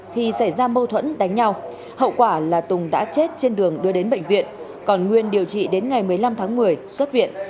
thì xảy ra mâu thuẫn đánh nhau hậu quả là tùng đã chết trên đường đưa đến bệnh viện còn nguyên điều trị đến ngày một mươi năm tháng một mươi xuất viện